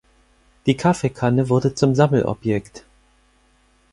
Die Kaffeekanne wurde zum Sammelobjekt.